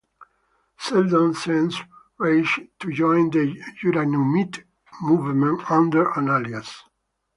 Seldon sends Raych to join the Joranumite movement under an alias.